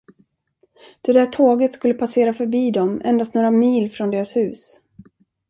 Det där tåget skulle passera förbi dem, endast några mil från deras hus.